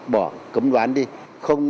bỏ cấm đoán đi không